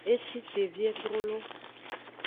E shi te vie trolo.